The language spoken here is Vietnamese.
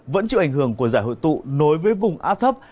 vẫn chịu ảnh hưởng của giải hội tụ nối với vùng áp thấp